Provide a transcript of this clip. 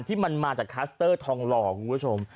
ที่มันมาจากคลัสเตอร์ทองหล่อคุณผู้ชม